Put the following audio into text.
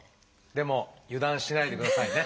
でも油断しないでくださいね。